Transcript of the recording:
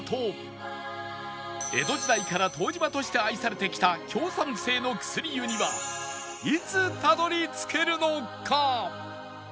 江戸時代から湯治場として愛されてきた強酸性の薬湯にはいつたどり着けるのか？